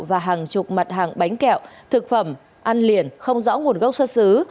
và hàng chục mặt hàng bánh kẹo thực phẩm ăn liền không rõ nguồn gốc xuất xứ